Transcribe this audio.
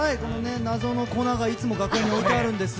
謎の粉がいつも楽屋に置いてあるんです。